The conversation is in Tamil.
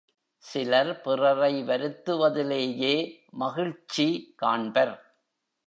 சிலர் பிறரை வருத்துவதிலேயே மகிழ்ச்சி காண்பர்.